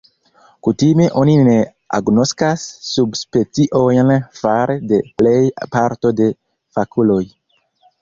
Kutime oni ne agnoskas subspeciojn fare de plej parto de fakuloj.